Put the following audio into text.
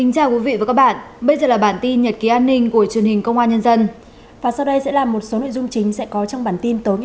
các bạn hãy đăng ký kênh để ủng hộ kênh của chúng mình nhé